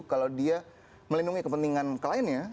kalau dia melindungi kepentingan kliennya